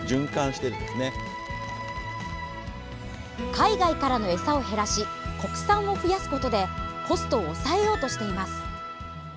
海外からのエサを減らし国産を増やすことでコストを抑えようとしています。